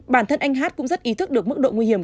bản thân anh hát cũng rất ý thức được mức độ nguy hiểm